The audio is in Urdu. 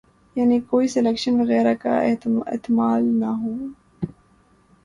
یعنی کوئی سلیکشن وغیرہ کا احتمال نہ ہو۔